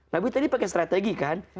tapi tadi pakai strategi kan